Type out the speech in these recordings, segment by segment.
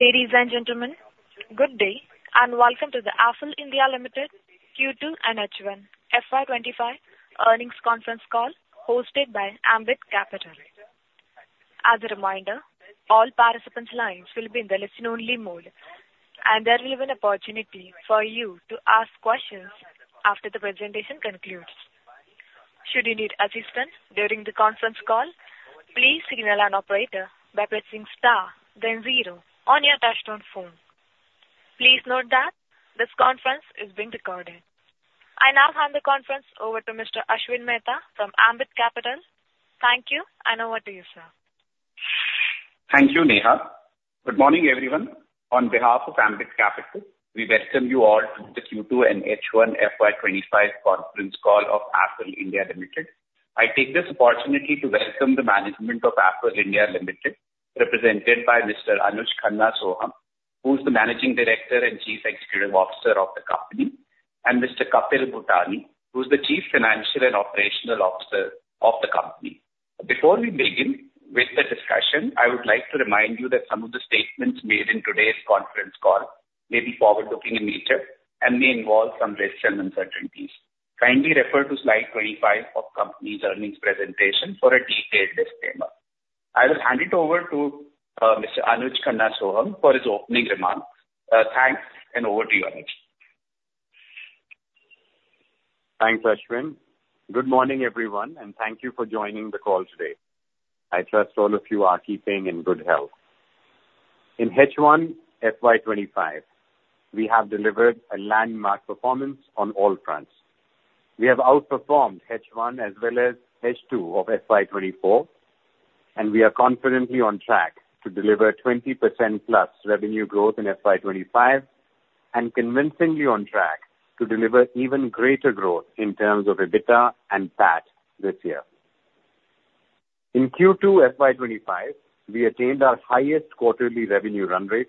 Ladies and gentlemen, good day and welcome to the Affle India Anuj Khanna Sohum, Kapil Bhutani and 2025 earnings conference call hosted by Ambit Capital. As a reminder, all participants' lines will be in the listen-only mode, and there will be an opportunity for you to ask questions after the presentation concludes. Should you need assistance during the conference call, please signal an operator by pressing star then zero on your touch-tone phone. Please note that this conference is being recorded. I now hand the conference over to Mr. Ashwin Mehta from Ambit Capital. Thank you, and over to you, sir. Thank you, Neha. Good morning, everyone. On behalf of Ambit Capital, we welcome you all to the Q2 and H1 FY 25 conference call of Affle (India) Limited. I take this opportunity to welcome the management of Affle (India) Limited, represented by Mr. Anuj Khanna Sohum, who is the Managing Director and Chief Executive Officer of the company, and Mr. Kapil Bhutani, who is the Chief Financial and Operations Officer of the company. Before we begin with the discussion, I would like to remind you that some of the statements made in today's conference call may be forward-looking in nature and may involve some risks and uncertainties. Kindly refer to slide 25 of the company's earnings presentation for a detailed disclaimer. I will hand it over to Mr. Anuj Khanna Sohum for his opening remarks. Thanks, and over to you, Anuj. Thanks, Ashwin. Good morning, everyone, and thank you for joining the call today. I trust all of you are keeping in good health. In H1 FY 25, we have delivered a landmark performance on all fronts. We have outperformed H1 as well as H2 of FY 24, and we are confidently on track to deliver 20% plus revenue growth in FY 25 and convincingly on track to deliver even greater growth in terms of EBITDA and PAT this year. In Q2 FY 25, we attained our highest quarterly revenue run rate,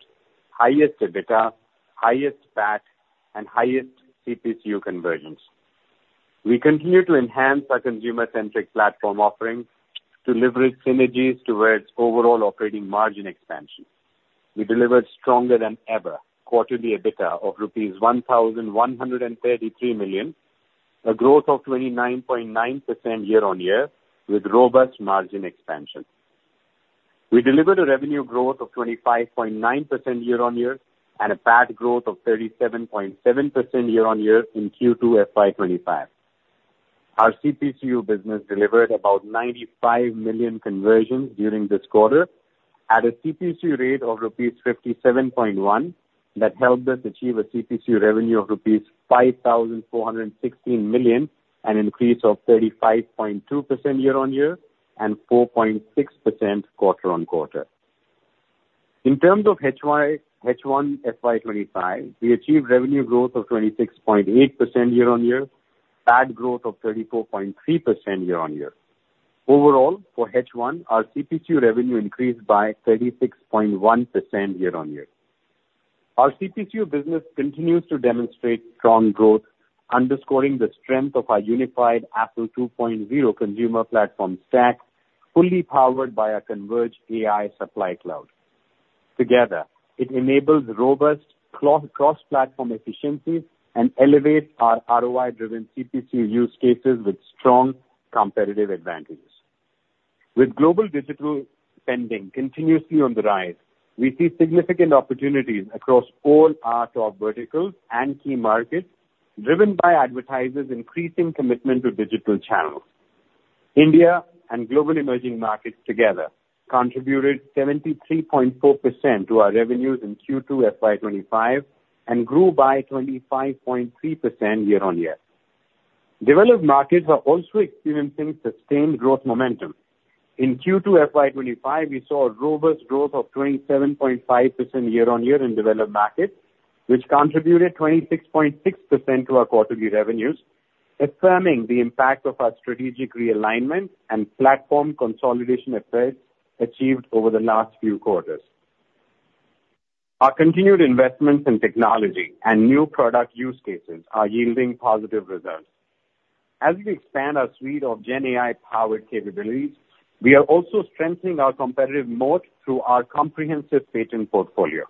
highest EBITDA, highest PAT, and highest CPCU conversions. We continue to enhance our consumer-centric platform offerings to leverage synergies towards overall operating margin expansion. We delivered stronger-than-ever quarterly EBITDA of rupees 1,133 million, a growth of 29.9% year-on-year with robust margin expansion. We delivered a revenue growth of 25.9% year-on-year and a PAT growth of 37.7% year-on-year in Q2 FY 25. Our CPCU business delivered about 95 million conversions during this quarter at a CPCU rate of rupees 57.1 that helped us achieve a CPCU revenue of rupees 5,416 million, an increase of 35.2% year-on-year and 4.6% quarter-on-quarter. In terms of H1 FY 25, we achieved revenue growth of 26.8% year-on-year, PAT growth of 34.3% year-on-year. Overall, for H1, our CPCU revenue increased by 36.1% year-on-year. Our CPCU business continues to demonstrate strong growth, underscoring the strength of our unified Affle 2.0 Consumer Platform Stack, fully powered by our Converged AI Supply Cloud. Together, it enables robust cross-platform efficiencies and elevates our ROI-driven CPCU use cases with strong competitive advantages. With global digital spending continuously on the rise, we see significant opportunities across all our top verticals and key markets, driven by advertisers' increasing commitment to digital channels. India and global emerging markets together contributed 73.4% to our revenues in Q2 FY 25 and grew by 25.3% year-on-year. Developed markets are also experiencing sustained growth momentum. In Q2 FY 25, we saw a robust growth of 27.5% year-on-year in developed markets, which contributed 26.6% to our quarterly revenues, affirming the impact of our strategic realignment and platform consolidation efforts achieved over the last few quarters. Our continued investments in technology and new product use cases are yielding positive results. As we expand our suite of GenAI-powered capabilities, we are also strengthening our competitive moat through our comprehensive patent portfolio.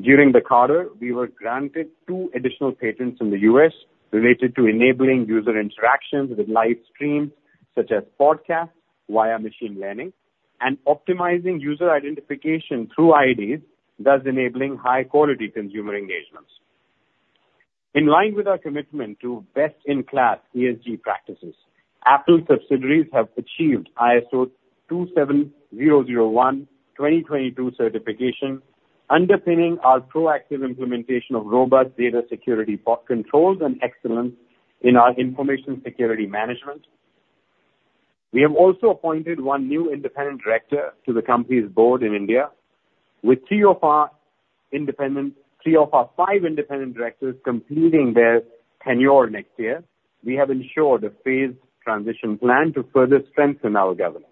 During the quarter, we were granted two additional patents in the U.S. related to enabling user interactions with live streams such as podcasts via machine learning and optimizing user identification through IDs, thus enabling high-quality consumer engagements. In line with our commitment to best-in-class ESG practices, Affle subsidiaries have achieved ISO 27001:2022 certification, underpinning our proactive implementation of robust data security controls and excellence in our information security management. We have also appointed one new independent director to the company's board in India. With three of our five independent directors completing their tenure next year, we have ensured a phased transition plan to further strengthen our governance.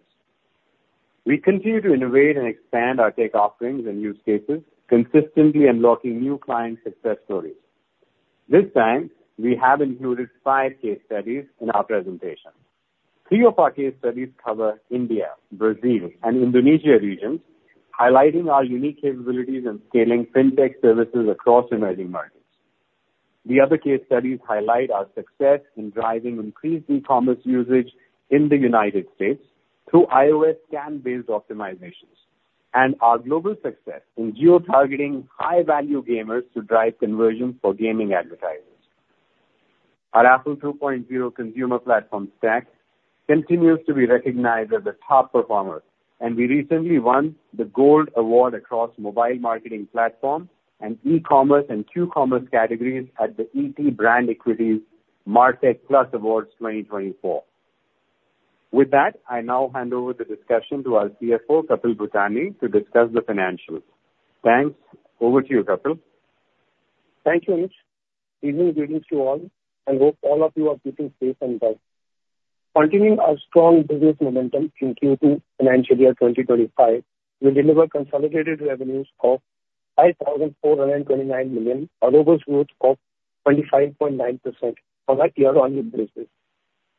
We continue to innovate and expand our tech offerings and use cases, consistently unlocking new client success stories. This time, we have included five case studies in our presentation. Three of our case studies cover India, Brazil, and Indonesia regions, highlighting our unique capabilities in scaling fintech services across emerging markets. The other case studies highlight our success in driving increased e-commerce usage in the United States through iOS SKAN-based optimizations and our global success in geotargeting high-value gamers to drive conversions for gaming advertisers. Our Affle 2.0 Consumer Platform Stack continues to be recognized as a top performer, and we recently won the Gold Award across mobile marketing platform and e-commerce and Q-commerce categories at the ET BrandEquity MarTech Plus Awards 2024. With that, I now hand over the discussion to our CFO, Kapil Bhutani, to discuss the financials. Thanks. Over to you, Kapil. Thank you, Anuj. Evening greetings to all. I hope all of you are keeping safe and well. Continuing our strong business momentum in Q2 financial year 2025, we deliver consolidated revenues of 5,429 million, a robust growth of 25.9% on a year-on-year basis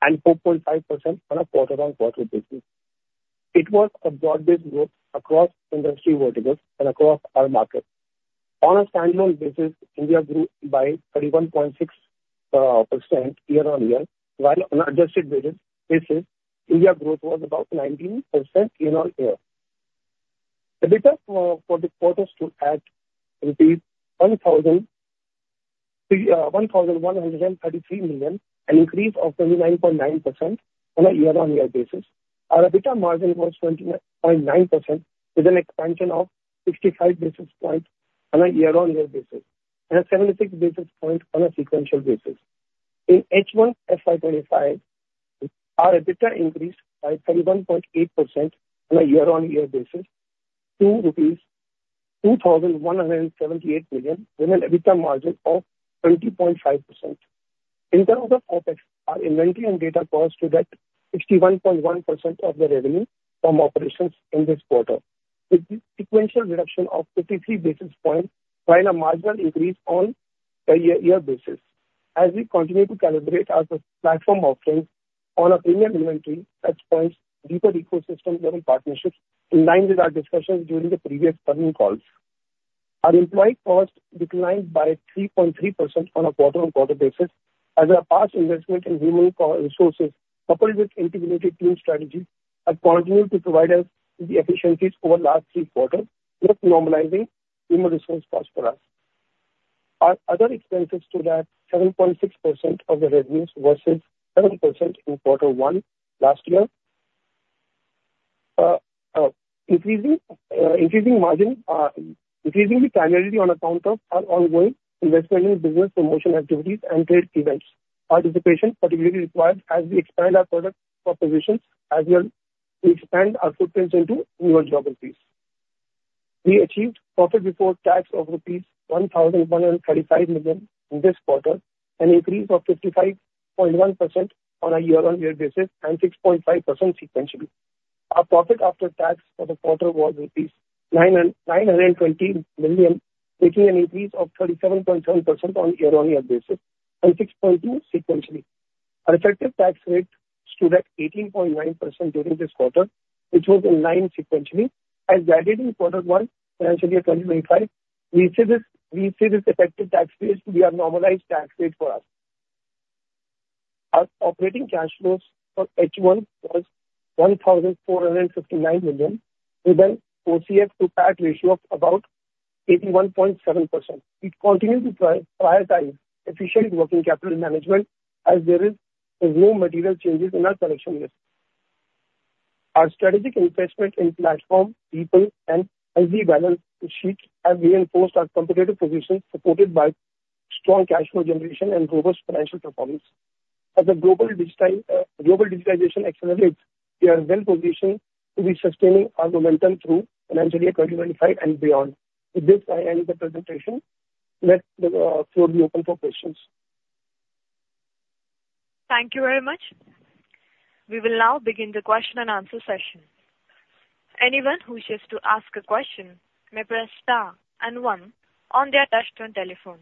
and 4.5% on a quarter-on-quarter basis. It was a broad-based growth across industry verticals and across our market. On a standalone basis, India grew by 31.6% year-on-year, while on an adjusted basis, India's growth was about 19% year-on-year. EBITDA for the quarter stood at 1,133 million, an increase of 29.9% on a year-on-year basis. Our EBITDA margin was 20.9% with an expansion of 65 basis points on a year-on-year basis and 76 basis points on a sequential basis. In H1 FY 2025, our EBITDA increased by 31.8% on a year-on-year basis to rupees 2,178 million with an EBITDA margin of 20.5%. In terms of OpEx, our inventory and data costs stood at 61.1% of the revenue from operations in this quarter, with a sequential reduction of 53 basis points while a marginal increase on a year-on-year basis. As we continue to calibrate our platform offerings on a premium inventory, such points deepen ecosystem-level partnerships in line with our discussions during the previous earnings calls. Our employee costs declined by 3.3% on a quarter-on-quarter basis as our past investment in human resources, coupled with integrated team strategies, have continued to provide us with the efficiencies over the last three quarters, thus normalizing human resource costs for us. Our other expenses stood at 7.6% of the revenues versus 7% in quarter one last year, increasing margins primarily on account of our ongoing investment in business promotion activities and trade events. Participation particularly required as we expand our product propositions as well as we expand our footprints into newer geographies. We achieved profit before tax of rupees 1,135 million this quarter, an increase of 55.1% on a year-on-year basis and 6.5% sequentially. Our profit after tax for the quarter was rupees 920 million, making an increase of 37.7% on a year-on-year basis and 6.2% sequentially. Our effective tax rate stood at 18.9% during this quarter, which was in line sequentially. As guided in quarter one financial year 2025, we see this effective tax rate to be a normalized tax rate for us. Our operating cash flows for H1 were 1,459 million with an OCF to PAT ratio of about 81.7%. We continue to prioritize efficient working capital management as there are no material changes in our selection list. Our strategic investment in platform, people, and low leverage balance sheets have reinforced our competitive position, supported by strong cash flow generation and robust financial performance. As the global digitization accelerates, we are well-positioned to be sustaining our momentum through financial year 2025 and beyond. With this, I end the presentation. Let the floor be open for questions. Thank you very much. We will now begin the question and answer session. Anyone who wishes to ask a question may press star and one on their touch-tone telephone.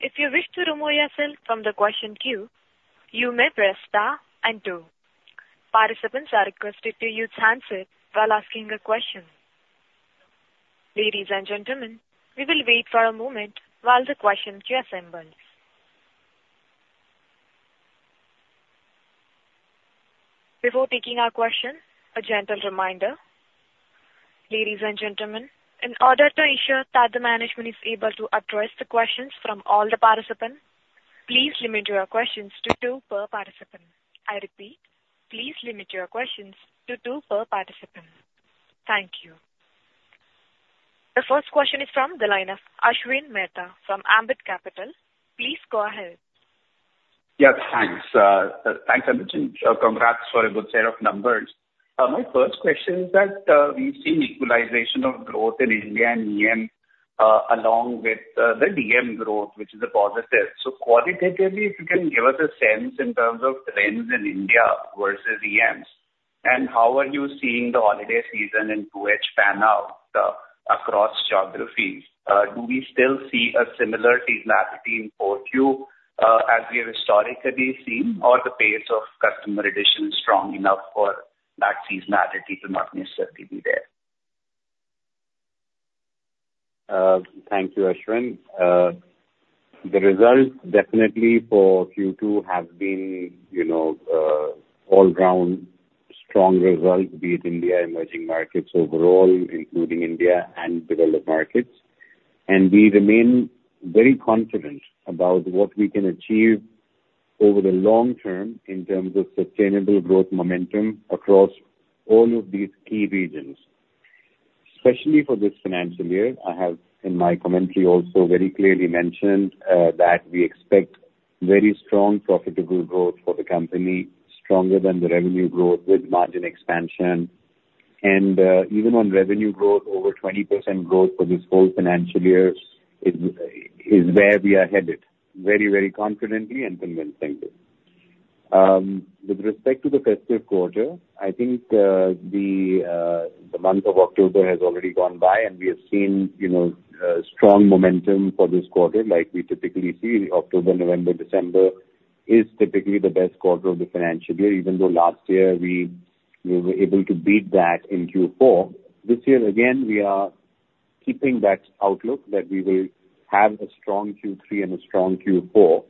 If you wish to remove yourself from the question queue, you may press star and two. Participants are requested to use handsets while asking a question. Ladies and gentlemen, we will wait for a moment while the question queue assembles. Before taking our question, a gentle reminder. Ladies and gentlemen, in order to ensure that the management is able to address the questions from all the participants, please limit your questions to two per participant. I repeat, please limit your questions to two per participant. Thank you. The first question is from the line of Ashwin Mehta from Ambit Capital. Please go ahead. Yes, thanks. Thanks, Anuj. Congrats for a good set of numbers. My first question is that we've seen equalization of growth in India and EM along with the DM growth, which is a positive. So qualitatively, if you can give us a sense in terms of trends in India versus EMs, and how are you seeing the holiday season in 2H pan out across geographies? Do we still see a similar seasonality in 4Q as we have historically seen, or is the pace of customer addition strong enough for that seasonality to not necessarily be there? Thank you, Ashwin. The results definitely for Q2 have been all-around strong results, be it India and emerging markets overall, including India and developed markets, and we remain very confident about what we can achieve over the long term in terms of sustainable growth momentum across all of these key regions. Especially for this financial year, I have in my commentary also very clearly mentioned that we expect very strong profitable growth for the company, stronger than the revenue growth with margin expansion, and even on revenue growth, over 20% growth for this whole financial year is where we are headed, very, very confidently and convincingly. With respect to the festive quarter, I think the month of October has already gone by, and we have seen strong momentum for this quarter like we typically see. October, November, December is typically the best quarter of the financial year, even though last year we were able to beat that in Q4. This year, again, we are keeping that outlook that we will have a strong Q3 and a strong Q4,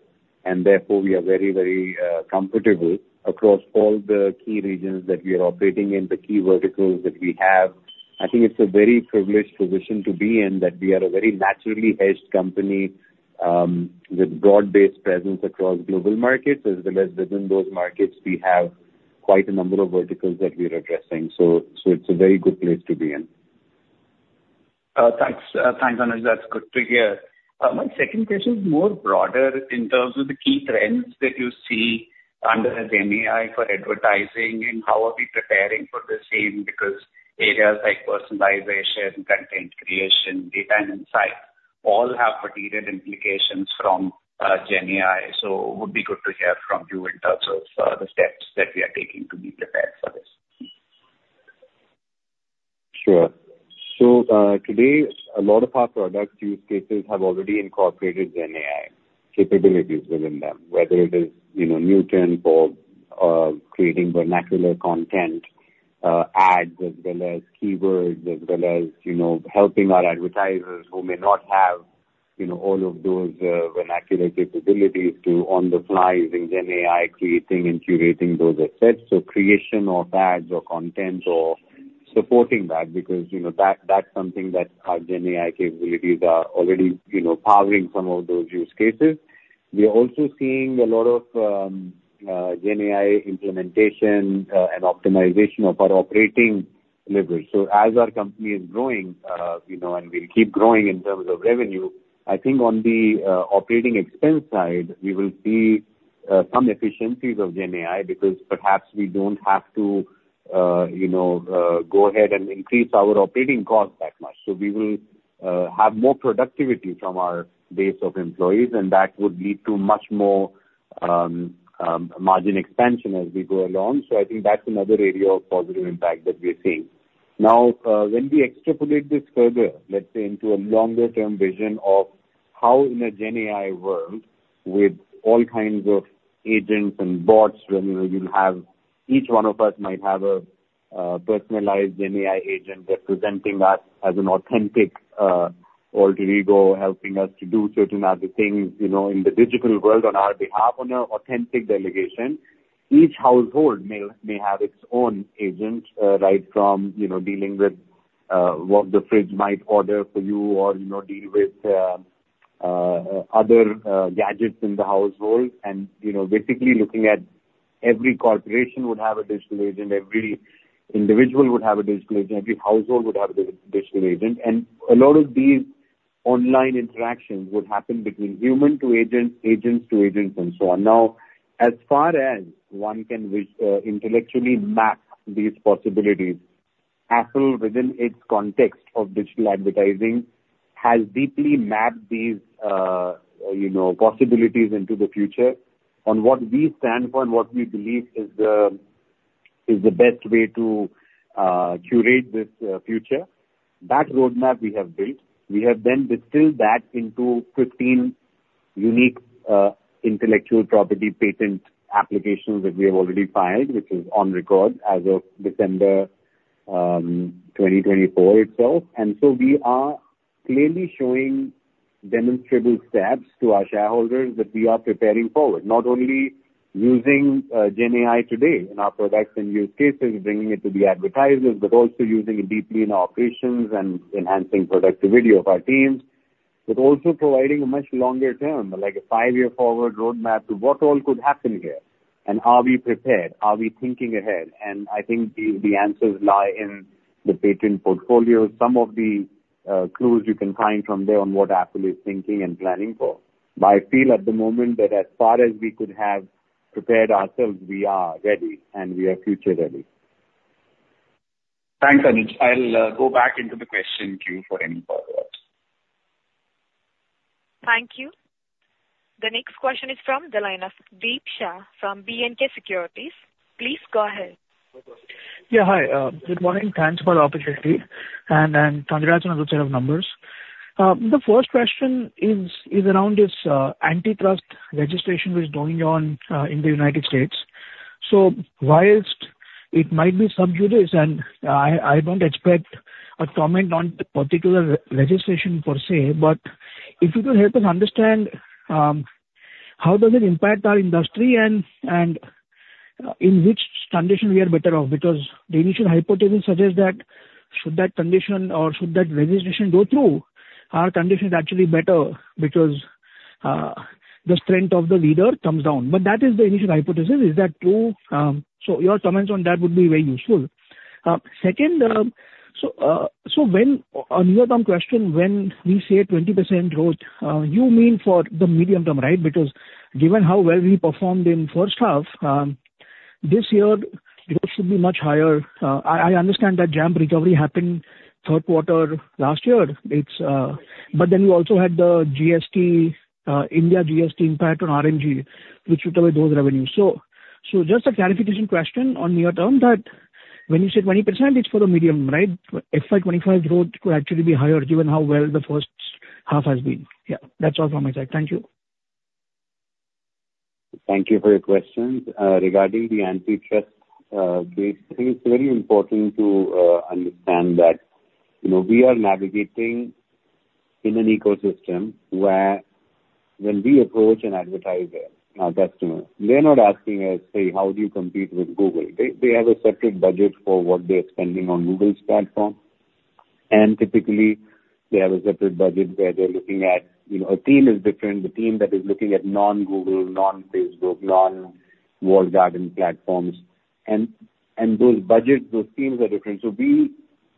and therefore we are very, very comfortable across all the key regions that we are operating in, the key verticals that we have. I think it's a very privileged position to be in, that we are a very naturally hedged company with a broad-based presence across global markets, as well as within those markets, we have quite a number of verticals that we are addressing. So it's a very good place to be in. Thanks, Anuj. That's good to hear. My second question is more broader in terms of the key trends that you see under GenAI for advertising, and how are we preparing for the same? Because areas like personalization, content creation, data, and insights all have material implications from GenAI. So it would be good to hear from you in terms of the steps that we are taking to be prepared for this. Sure. So today, a lot of our product use cases have already incorporated GenAI capabilities within them, whether it is new template, creating vernacular content, ads, as well as keywords, as well as helping our advertisers who may not have all of those vernacular capabilities to, on the fly, using GenAI, creating and curating those assets. So, creation of ads or content or supporting that, because that's something that our GenAI capabilities are already powering some of those use cases. We are also seeing a lot of GenAI implementation and optimization of our operating levers. So as our company is growing and will keep growing in terms of revenue, I think on the operating expense side, we will see some efficiencies of GenAI because perhaps we don't have to go ahead and increase our operating costs that much. So we will have more productivity from our base of employees, and that would lead to much more margin expansion as we go along. So I think that's another area of positive impact that we're seeing. Now, when we extrapolate this further, let's say into a longer-term vision of how in a GenAI world with all kinds of agents and bots, when you have each one of us might have a personalized GenAI agent representing us as an authentic alter ego, helping us to do certain other things in the digital world on our behalf, on an authentic delegation. Each household may have its own agent, right, from dealing with what the fridge might order for you or deal with other gadgets in the household. And basically looking at every corporation would have a digital agent, every individual would have a digital agent, every household would have a digital agent. And a lot of these online interactions would happen between human to agent, agents to agents, and so on. Now, as far as one can intellectually map these possibilities, Affle within its context of digital advertising, has deeply mapped these possibilities into the future on what we stand for and what we believe is the best way to curate this future. That roadmap we have built, we have then distilled that into 15 unique intellectual property patent applications that we have already filed, which is on record as of December 2024 itself. We are clearly showing demonstrable steps to our shareholders that we are preparing forward, not only using GenAI today in our products and use cases, bringing it to the advertisers, but also using it deeply in our operations and enhancing productivity of our teams, but also providing a much longer term, like a five-year forward roadmap to what all could happen here. Are we prepared? Are we thinking ahead? I think the answers lie in the patent portfolio. Some of the clues you can find from there on what Affle is thinking and planning for. I feel at the moment that as far as we could have prepared ourselves, we are ready, and we are future-ready. Thanks, Anuj. I'll go back into the question queue for any further questions. Thank you. The next question is from the line of Deep Shah from B&K Securities. Please go ahead. Yeah, hi. Good morning. Thanks for the opportunity. And congrats on a good set of numbers. The first question is around this antitrust regulation which is going on in the United States. So while it might be sub judice, and I don't expect a comment on particular regulation per se, but if you could help us understand how does it impact our industry and in which condition we are better off, because the initial hypothesis suggests that should that condition or should that regulation go through, our condition is actually better because the strength of the leader comes down. But that is the initial hypothesis. Is that true? So your comments on that would be very useful. Second, so when on your term question, when we say 20% growth, you mean for the medium term, right? Because given how well we performed in first half, this year growth should be much higher. I understand that jump recovery happened third quarter last year, but then we also had the GST, India GST impact on RMG, which took away those revenues, so just a clarification question on near-term that when you say 20%, it's for the medium, right? FY 25 growth could actually be higher given how well the first half has been. Yeah, that's all from my side. Thank you. Thank you for your questions. Regarding the antitrust case, I think it's very important to understand that we are navigating in an ecosystem where when we approach an advertiser, our customer, they're not asking us, "Hey, how do you compete with Google?" They have a separate budget for what they're spending on Google's platform, and typically, they have a separate budget where they're looking at a team is different, the team that is looking at non-Google, non-Facebook, non-Walled Garden platforms. And those budgets, those teams are different, so we,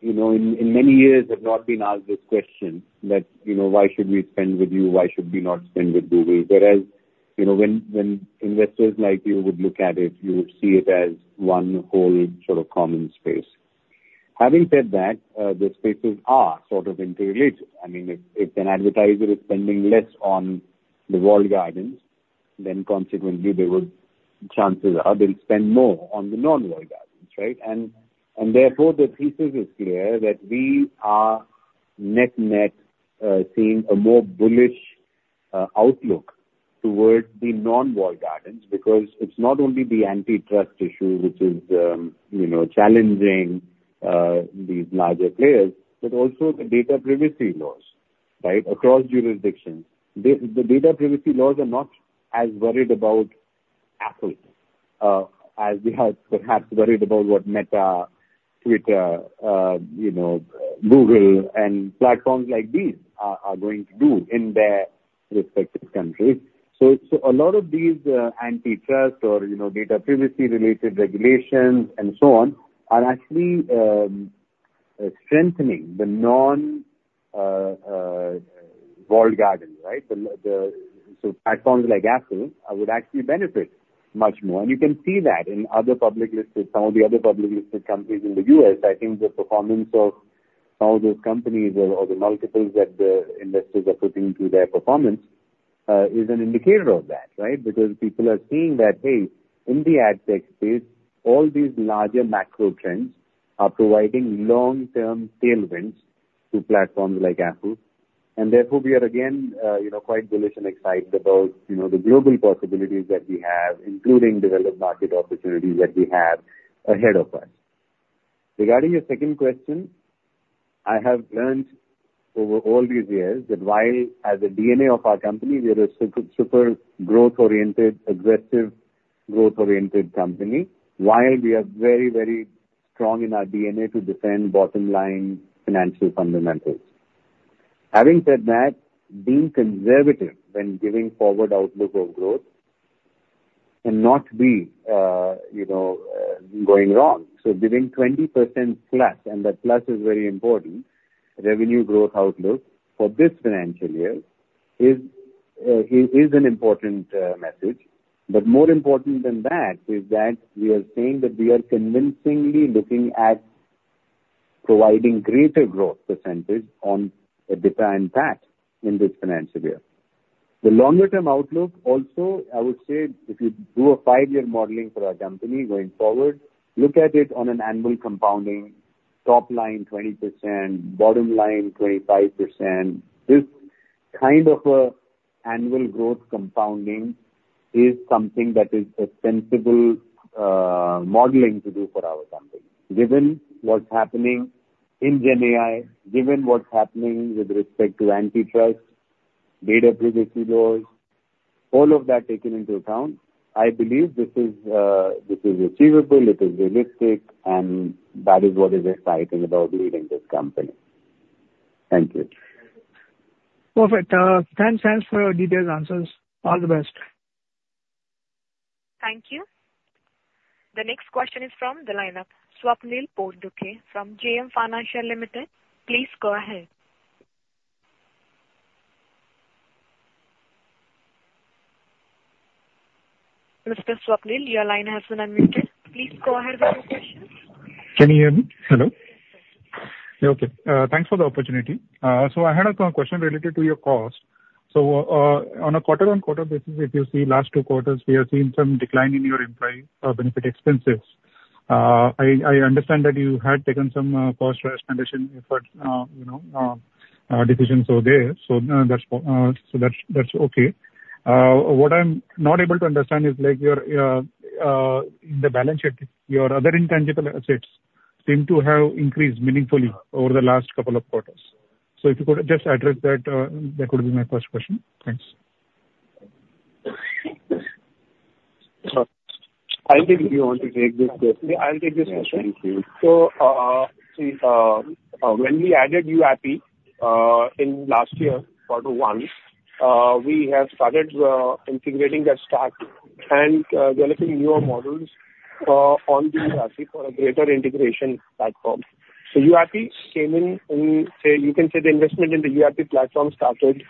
in many years, have not been asked this question that, "Why should we spend with you? Why should we not spend with Google?" Whereas when investors like you would look at it, you would see it as one whole sort of common space. Having said that, the spaces are sort of interrelated. I mean, if an advertiser is spending less on the Walled Gardens, then consequently, there would chances are they'll spend more on the non-Walled Gardens, right? And therefore, the thesis is clear that we are net-net seeing a more bullish outlook towards the non-Walled Gardens because it's not only the antitrust issue which is challenging these larger players, but also the data privacy laws, right, across jurisdictions. The data privacy laws are not as worried about Affle as they are perhaps worried about what Meta, Twitter, Google, and platforms like these are going to do in their respective countries, so a lot of these antitrust or data privacy-related regulations and so on are actually strengthening the non-Walled Gardens, right, so platforms like Affle would actually benefit much more. You can see that in other publicly listed companies in the U.S., I think the performance of some of those companies or the multiples that the investors are putting into their performance is an indicator of that, right? Because people are seeing that, "Hey, in the ad tech space, all these larger macro trends are providing long-term tailwinds to platforms like Affle." And therefore, we are again quite bullish and excited about the global possibilities that we have, including developed market opportunities that we have ahead of us. Regarding your second question, I have learned over all these years that while, as the DNA of our company, we are a super growth-oriented, aggressive growth-oriented company, we are very, very strong in our DNA to defend bottom-line financial fundamentals. Having said that, being conservative when giving forward outlook of growth and not be going wrong. So giving 20% plus, and that plus is very important, revenue growth outlook for this financial year is an important message. But more important than that is that we are saying that we are convincingly looking at providing greater growth percentage on a data impact in this financial year. The longer-term outlook also, I would say, if you do a five-year modeling for our company going forward, look at it on an annual compounding, top line 20%, bottom line 25%. This kind of annual growth compounding is something that is a sensible modeling to do for our company. Given what's happening in GenAI, given what's happening with respect to antitrust, data privacy laws, all of that taken into account, I believe this is achievable, it is realistic, and that is what is exciting about leading this company. Thank you. Perfect. Thanks for your detailed answers. All the best. Thank you. The next question is from the line of Swapnil Potdukhe from JM Financial Limited. Please go ahead. Mr. Swapnil, your line has been unmuted. Please go ahead with your question. Can you hear me? Hello? Yes, sir. Okay. Thanks for the opportunity. So I had a question related to your cost. So on a quarter-on-quarter basis, if you see last two quarters, we have seen some decline in your employee benefit expenses. I understand that you had taken some cost restoration effort decisions over there. So that's okay. What I'm not able to understand is in the balance sheet, your other intangible assets seem to have increased meaningfully over the last couple of quarters. So if you could just address that, that would be my first question. Thanks. I think you want to take this question. Thank you. So when we added YouAppi in last year, quarter one, we have started integrating that stack and developing newer models on the YouAppi for a greater integration platform. So YouAppi came in, and you can say the investment in the YouAppi platform started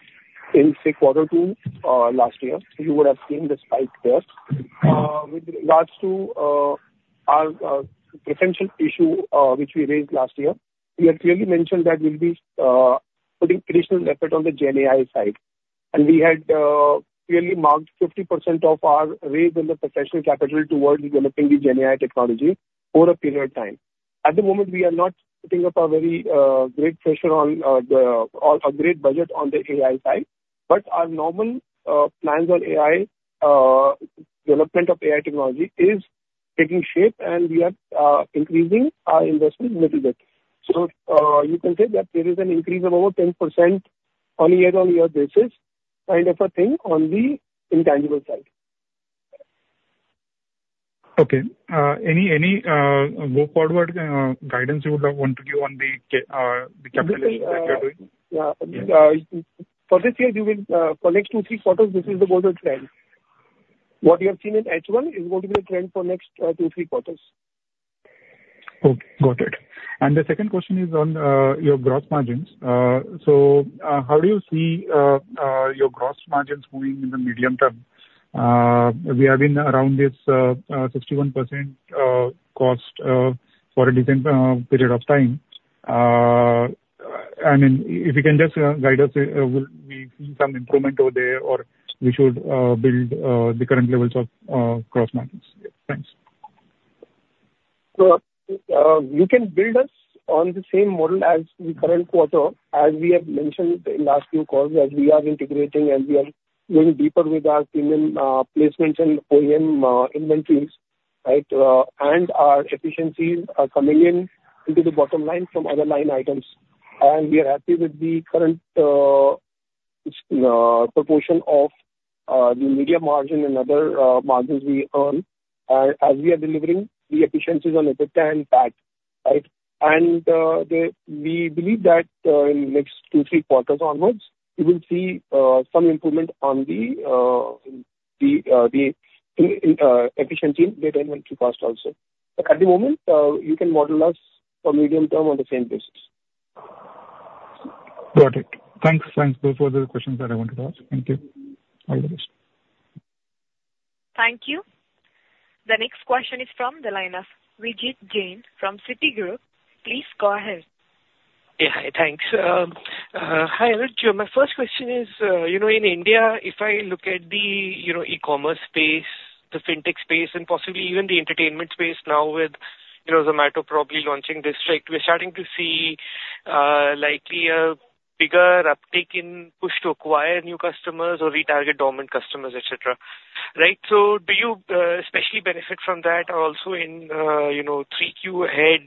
in, say, quarter two last year. You would have seen the spike there. With regards to our potential issue which we raised last year, we had clearly mentioned that we'll be putting additional effort on the GenAI side. And we had clearly marked 50% of our raise in the professional capital towards developing the GenAI technology for a period of time. At the moment, we are not putting up a very great pressure on a great budget on the AI side, but our normal plans on AI development of AI technology is taking shape, and we are increasing our investment a little bit. So you can say that there is an increase of over 10% on a year-on-year basis, kind of a thing on the intangible side. Okay. Any forward guidance you would want to give on the capitalization that you're doing? For this year, for next two, three quarters, this is the growth trend. What you have seen in H1 is going to be the trend for next two, three quarters. Okay. Got it. And the second question is on your gross margins. So how do you see your gross margins moving in the medium term? We have been around this 61% gross for a decent period of time. I mean, if you can just guide us, will we see some improvement over there, or we should build the current levels of gross margins? Thanks. So you can build us on the same model as the current quarter, as we have mentioned in last few calls, as we are integrating, as we are going deeper with our premium placements and OEM inventories, right, and our efficiencies are coming in into the bottom line from other line items. And we are happy with the current proportion of the media margin and other margins we earn. And as we are delivering the efficiencies on OpEx and PAT, right? And we believe that in the next two, three quarters onwards, you will see some improvement on the efficiency in data inventory cost also. But at the moment, you can model us for medium term on the same basis. Got it. Thanks. Thanks both for the questions that I wanted to ask. Thank you. All the best. Thank you. The next question is from the line of Vijit Jain from Citigroup. Please go ahead. Yeah, hi. Thanks. Hi, Anuj. My first question is, in India, if I look at the e-commerce space, the fintech space, and possibly even the entertainment space now with Zomato probably launching this District, we're starting to see likely a bigger uptake in push to acquire new customers or retarget dormant customers, etc., right? So do you especially benefit from that also in 3Q ahead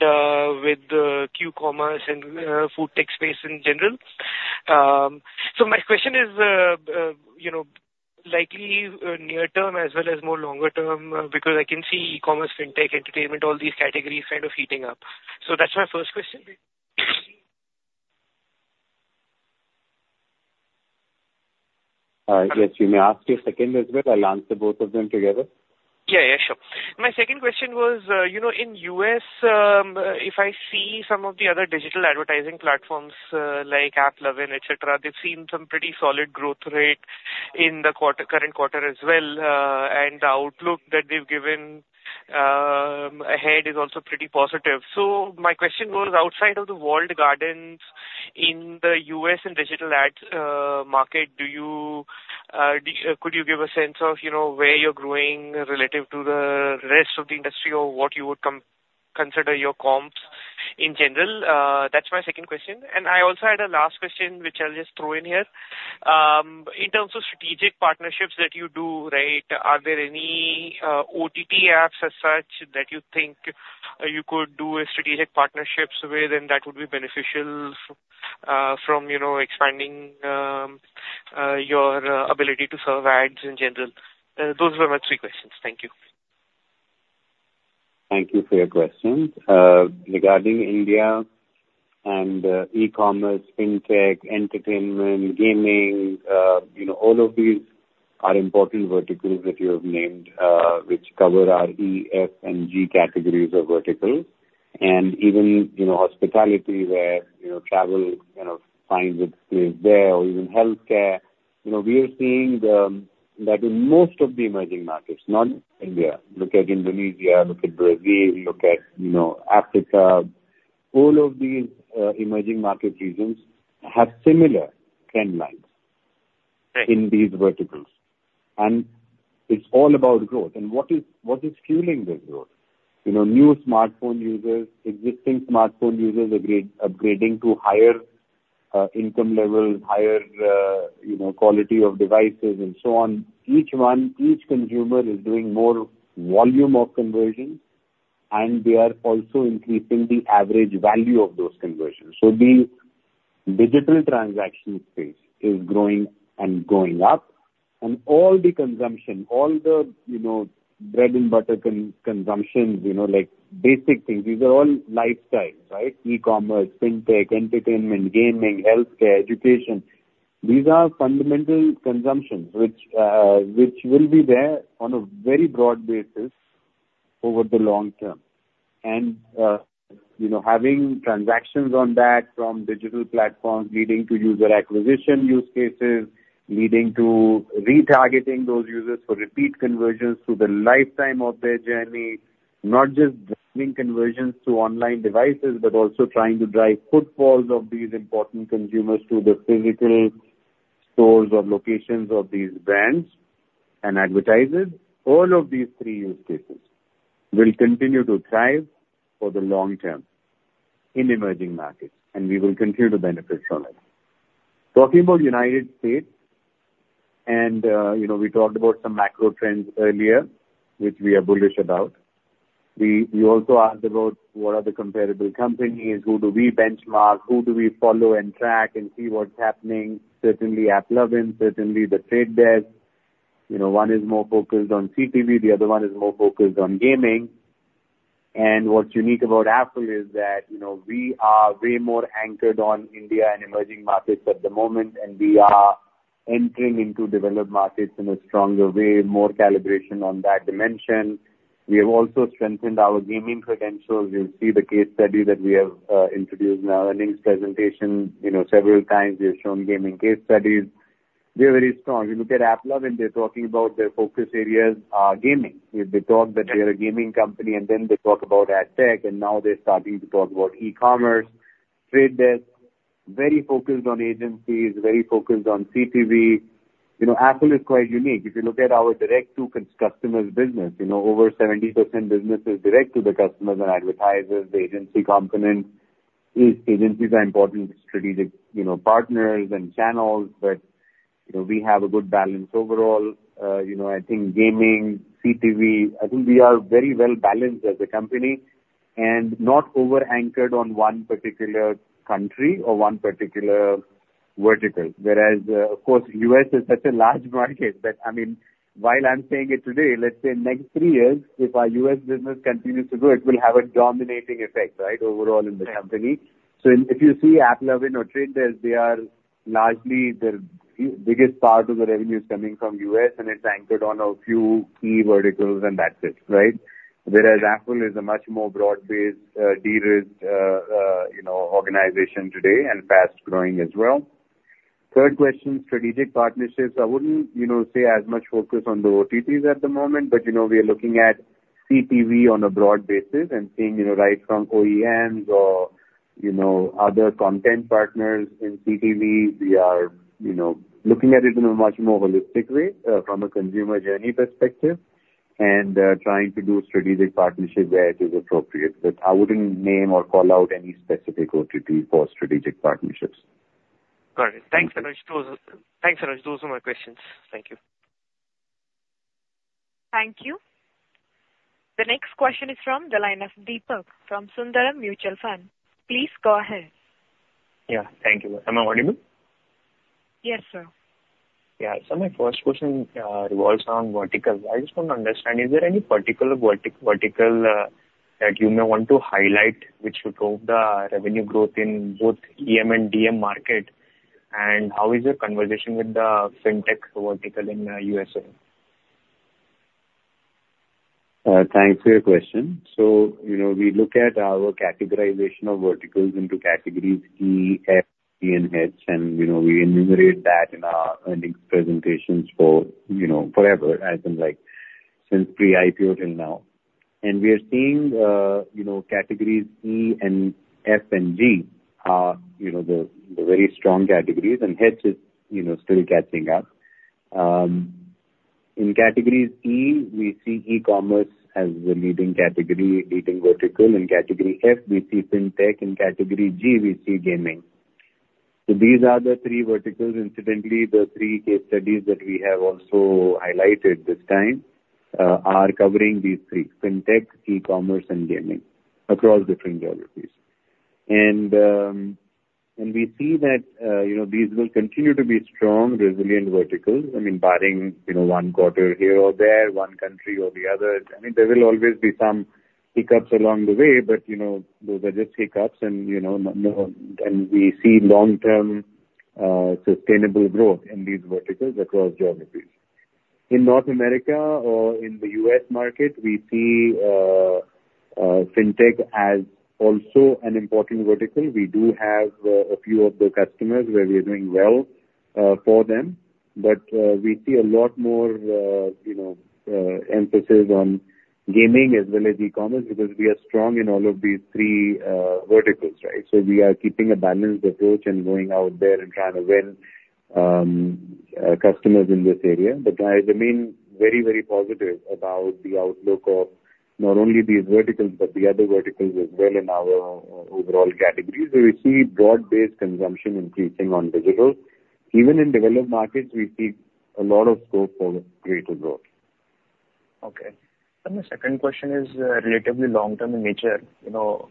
with the Q-commerce and food tech space in general? So my question is likely near-term as well as more longer-term because I can see e-commerce, fintech, entertainment, all these categories kind of heating up. So that's my first question. Yes, you may ask your second as well. I'll answer both of them together. Yeah, yeah, sure. My second question was, in U.S., if I see some of the other digital advertising platforms like AppLovin, etc., they've seen some pretty solid growth rate in the current quarter as well. And the outlook that they've given ahead is also pretty positive. So my question goes outside of the Walled Gardens in the U.S. and digital ads market, could you give a sense of where you're growing relative to the rest of the industry or what you would consider your comps in general? That's my second question. And I also had a last question, which I'll just throw in here. In terms of strategic partnerships that you do, right, are there any OTT apps as such that you think you could do strategic partnerships with and that would be beneficial from expanding your ability to serve ads in general? Those were my three questions. Thank you. Thank you for your questions. Regarding India and e-commerce, fintech, entertainment, gaming, all of these are important verticals that you have named, which cover our E, F, and G categories of verticals. And even hospitality where travel kind of finds its place there, or even healthcare, we are seeing that in most of the emerging markets, not India. Look at Indonesia, look at Brazil, look at Africa. All of these emerging market regions have similar trend lines in these verticals. And it's all about growth. And what is fueling this growth? New smartphone users, existing smartphone users upgrading to higher income levels, higher quality of devices, and so on. Each consumer is doing more volume of conversions, and they are also increasing the average value of those conversions. So the digital transaction space is growing and going up. All the consumption, all the bread-and-butter consumption, basic things, these are all lifestyles, right? E-commerce, Fintech, entertainment, gaming, healthcare, education. These are fundamental consumptions which will be there on a very broad basis over the long term. Having transactions on that from digital platforms leading to user acquisition use cases, leading to retargeting those users for repeat conversions through the lifetime of their journey, not just driving conversions to online devices, but also trying to drive footfalls of these important consumers to the physical stores or locations of these brands and advertisers. All of these three use cases will continue to thrive for the long term in emerging markets, and we will continue to benefit from it. Talking about United States, and we talked about some macro trends earlier, which we are bullish about. We also asked about what are the comparable companies, who do we benchmark, who do we follow and track and see what's happening. Certainly, AppLovin, certainly the Trade Desk. One is more focused on CTV, the other one is more focused on gaming. And what's unique about Affle is that we are way more anchored on India and emerging markets at the moment, and we are entering into developed markets in a stronger way, more calibration on that dimension. We have also strengthened our gaming credentials. You'll see the case study that we have introduced in our earnings presentation several times. We have shown gaming case studies. They're very strong. You look at AppLovin, they're talking about their focus areas are gaming. They talk that they are a gaming company, and then they talk about ad tech, and now they're starting to talk about e-commerce, Trade Desk, very focused on agencies, very focused on CTV. Affle is quite unique. If you look at our direct-to-customers business, over 70% business is direct to the customers and advertisers, the agency component. These agencies are important strategic partners and channels, but we have a good balance overall. I think gaming, CTV, I think we are very well balanced as a company and not over-anchored on one particular country or one particular vertical. Whereas, of course, the U.S. is such a large market that, I mean, while I'm saying it today, let's say next three years, if our U.S. business continues to grow, it will have a dominating effect, right, overall in the company. So if you see AppLovin or Trade Desk, they are largely the biggest part of the revenue is coming from U.S., and it's anchored on a few key verticals, and that's it, right? Whereas Affle is a much more broad-based de-risked organization today and fast-growing as well. Third question, strategic partnerships. I wouldn't say as much focus on the OTTs at the moment, but we are looking at CTV on a broad basis and seeing right from OEMs or other content partners in CTV. We are looking at it in a much more holistic way from a consumer journey perspective and trying to do strategic partnership where it is appropriate. But I wouldn't name or call out any specific OTT for strategic partnerships. Got it. Thanks so much. Thanks so much. Those were my questions. Thank you. Thank you. The next question is from the line of Deepak from Sundaram Mutual Fund. Please go ahead. Yeah. Thank you. Am I audible? Yes, sir. Yeah. So my first question revolves around verticals. I just want to understand, is there any particular vertical that you may want to highlight which should drive the revenue growth in both EM and DM market? And how is your conversation with the fintech vertical in USA? Thanks for your question, so we look at our categorization of verticals into categories E, F, G, and H, and we enumerate that in our earnings presentations forever, as in since pre-IPO till now, and we are seeing categories E, F, and G are the very strong categories, and H is still catching up. In categories E, we see e-commerce as the leading category, leading vertical. In category F, we see fintech. In category G, we see gaming, so these are the three verticals. Incidentally, the three case studies that we have also highlighted this time are covering these three: fintech, e-commerce, and gaming across different geographies, and we see that these will continue to be strong, resilient verticals. I mean, barring one quarter here or there, one country or the other, I mean, there will always be some hiccups along the way, but those are just hiccups. And we see long-term sustainable growth in these verticals across geographies. In North America or in the U.S. market, we see fintech as also an important vertical. We do have a few of the customers where we are doing well for them, but we see a lot more emphasis on gaming as well as e-commerce because we are strong in all of these three verticals, right? So we are keeping a balanced approach and going out there and trying to win customers in this area. But I remain very, very positive about the outlook of not only these verticals but the other verticals as well in our overall categories. We see broad-based consumption increasing on digital. Even in developed markets, we see a lot of scope for greater growth. Okay. And the second question is relatively long-term in nature. Now,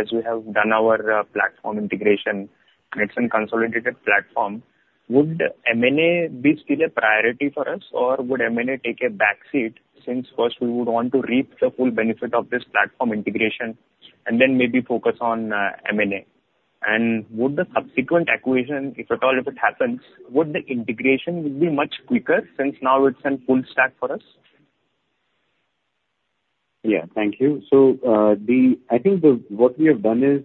as we have done our platform integration, it's a consolidated platform. Would M&A be still a priority for us, or would M&A take a backseat since first we would want to reap the full benefit of this platform integration and then maybe focus on M&A? And would the subsequent acquisition, if at all, if it happens, would the integration be much quicker since now it's in full stack for us? Yeah. Thank you. So, I think what we have done is,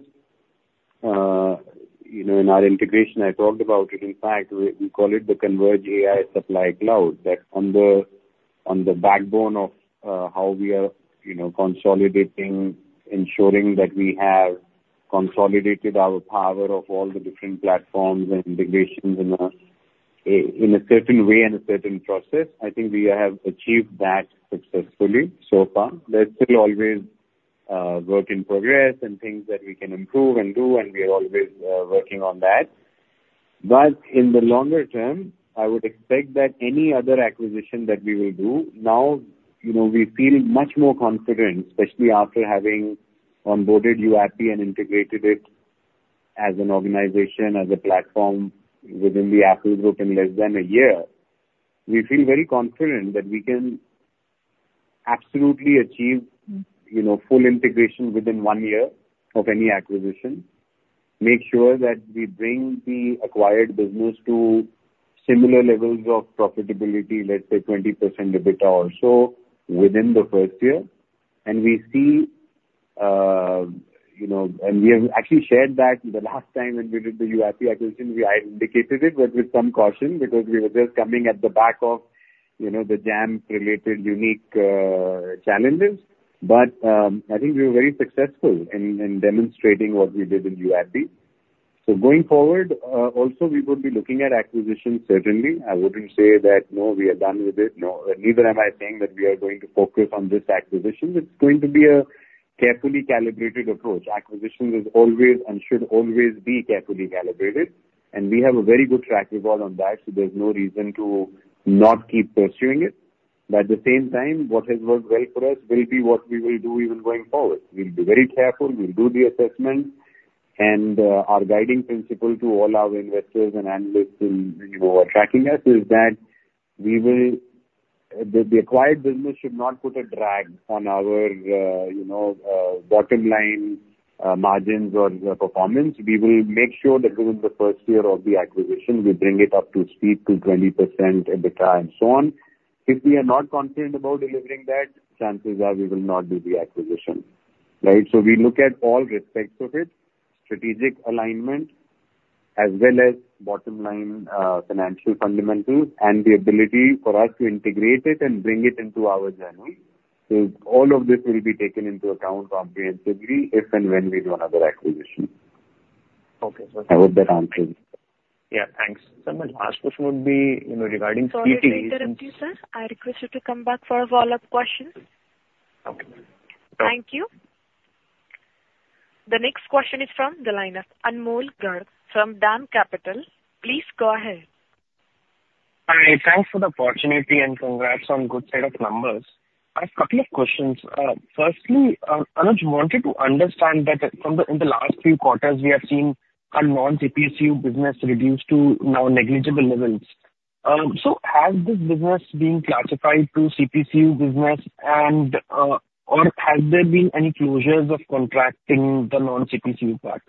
in our integration, I talked about it. In fact, we call it the Converged AI Supply Cloud. That's on the backbone of how we are consolidating, ensuring that we have consolidated our power of all the different platforms and integrations in a certain way and a certain process. I think we have achieved that successfully so far. There's still always work in progress and things that we can improve and do, and we are always working on that. But in the longer term, I would expect that any other acquisition that we will do, now we feel much more confident, especially after having onboarded YouAppi and integrated it as an organization, as a platform within the Affle group in less than a year, we feel very confident that we can absolutely achieve full integration within one year of any acquisition, make sure that we bring the acquired business to similar levels of profitability, let's say 20% EBITDA or so within the first year. And we see, and we have actually shared that the last time when we did the YouAppi acquisition, we had indicated it, but with some caution because we were just coming at the back of the macro-related unique challenges. But I think we were very successful in demonstrating what we did in YouAppi. So going forward, also we will be looking at acquisitions, certainly. I wouldn't say that, "No, we are done with it." No, neither am I saying that we are going to focus on this acquisition. It's going to be a carefully calibrated approach. Acquisitions is always and should always be carefully calibrated, and we have a very good track record on that, so there's no reason to not keep pursuing it, but at the same time, what has worked well for us will be what we will do even going forward. We'll be very careful. We'll do the assessment, and our guiding principle to all our investors and analysts who are tracking us is that the acquired business should not put a drag on our bottom line margins or performance. We will make sure that within the first year of the acquisition, we bring it up to speed to 20% EBITDA and so on. If we are not confident about delivering that, chances are we will not do the acquisition, right? So we look at all aspects of it: strategic alignment as well as bottom line financial fundamentals and the ability for us to integrate it and bring it into our journey. So all of this will be taken into account comprehensively if and when we do another acquisition. Okay. Thank you. I hope that answers it. Yeah. Thanks. So my last question would be regarding CTV. I'm sorry for interrupting you, sir. I request you to come back for a follow-up question. Okay. Thank you. The next question is from the line of Anmol Garg from DAM Capital. Please go ahead. Hi. Thanks for the opportunity and congrats on a good set of numbers. I have a couple of questions. Firstly, Anuj wanted to understand that in the last few quarters, we have seen our non-CPCU business reduced to now negligible levels. So has this business been classified to CPCU business, or has there been any closures of contracting the non-CPCU part?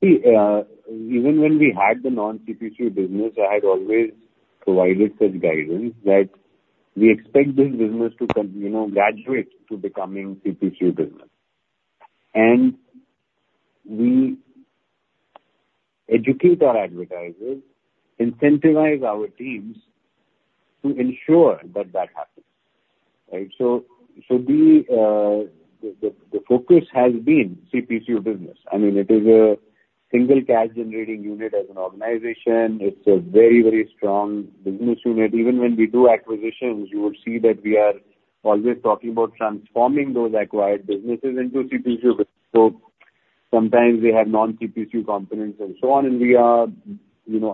Even when we had the non-CPCU business, I had always provided such guidance that we expect this business to graduate to becoming CPCU business, and we educate our advertisers, incentivize our teams to ensure that that happens, right? So the focus has been CPCU business. I mean, it is a single cash-generating unit as an organization. It's a very, very strong business unit. Even when we do acquisitions, you will see that we are always talking about transforming those acquired businesses into CPCU business, so sometimes we have non-CPCU components and so on, and we are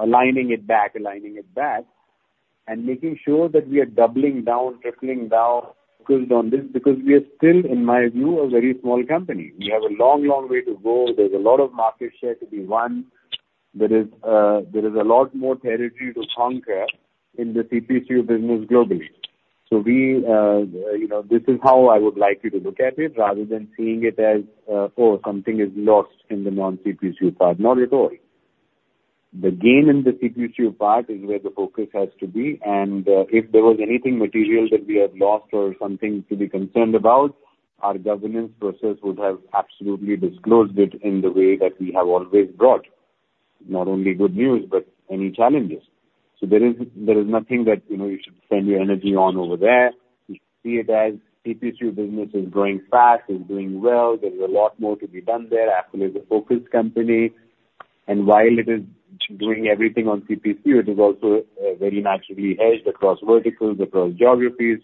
aligning it back, aligning it back, and making sure that we are doubling down, tripling down focused on this because we are still, in my view, a very small company. We have a long, long way to go. There's a lot of market share to be won. There is a lot more territory to conquer in the CPCU business globally. So this is how I would like you to look at it rather than seeing it as, "Oh, something is lost in the non-CPCU part." Not at all. The gain in the CPCU part is where the focus has to be. And if there was anything material that we have lost or something to be concerned about, our governance process would have absolutely disclosed it in the way that we have always brought not only good news but any challenges. So there is nothing that you should spend your energy on over there. We see it as CPCU business is growing fast, is doing well. There's a lot more to be done there. Affle is a focused company. And while it is doing everything on CPCU, it is also very naturally hedged across verticals, across geographies.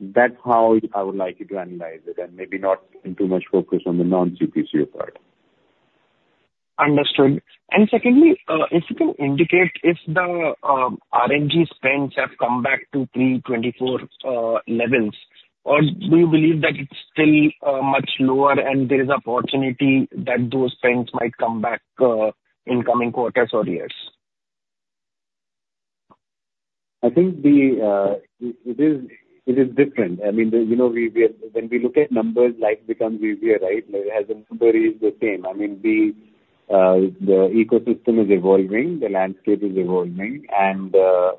That's how I would like you to analyze it and maybe not put too much focus on the non-CPCU part. Understood. And secondly, if you can indicate if the RMG spends have come back to pre-24 levels, or do you believe that it's still much lower and there is an opportunity that those spends might come back in coming quarters or years? I think it is different. I mean, when we look at numbers, life becomes easier, right? As in every game, I mean, the ecosystem is evolving, the landscape is evolving, and the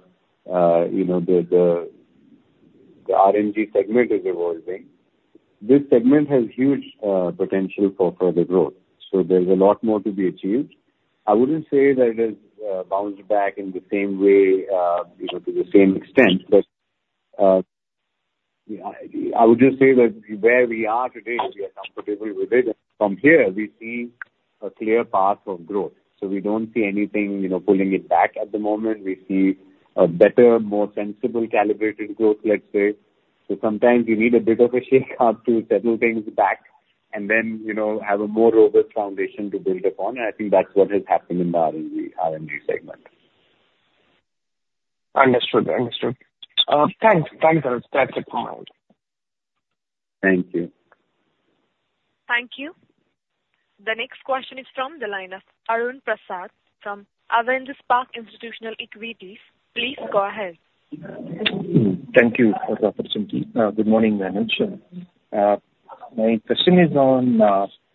RMG segment is evolving. This segment has huge potential for further growth, so there's a lot more to be achieved. I wouldn't say that it has bounced back in the same way to the same extent, but I would just say that where we are today, we are comfortable with it. From here, we see a clear path of growth, so we don't see anything pulling it back at the moment. We see a better, more sensible calibrated growth, let's say, so sometimes you need a bit of a shake-up to settle things back and then have a more robust foundation to build upon, and I think that's what has happened in the RMG segment. Understood. Understood. Thanks. Thanks, Anuj. That's it from my end. Thank you. Thank you. The next question is from the line of Arun Prasath from Avendus Spark Institutional Equities. Please go ahead. Thank you for the opportunity. Good morning, Anuj. My question is on